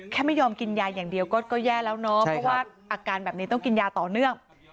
ไม่ยอมกินยาอย่างเดียวก็แย่แล้วเนาะเพราะว่าอาการแบบนี้ต้องกินยาต่อเนื่อง